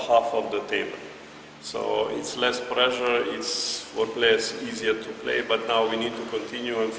ini lebih mudah untuk pemain tapi sekarang kita harus terus fokus pada pertandingan seterusnya